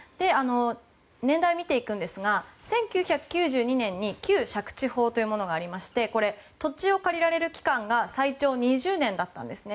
年代を見ていくんですが１９９２年に旧借地法がありましてこれは土地を借りられる期間が最長２０年だったんですね。